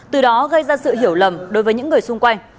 từ đó gây ra sự hiểu lầm đối với những người xung quanh